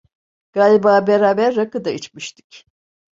Galiba beraber rakı da içmiştik.